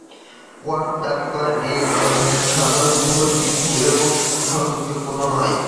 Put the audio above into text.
Wang দাবি করেন যে, এই ধরনের জ্ঞান অনুভূতিশীল এবং যুক্তিপূর্ণ নয়।